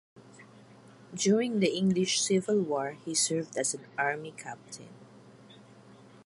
During the English Civil War he served as an army captain.